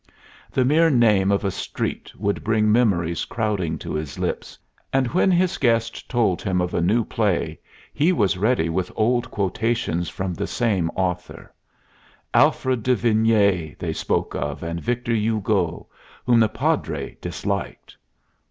The mere name of a street would bring memories crowding to his lips; and when his guest told him of a new play he was ready with old quotations from the same author. Alfred de Vigny they spoke of, and Victor Hugo, whom the Padre disliked.